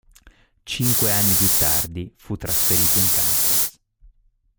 Cinque anni più tardi fu trasferito in Kansas.